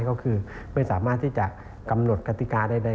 ก็คือไม่สามารถที่จะกำหนดกติกาใด